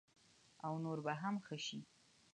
او نور به هم ښه شي.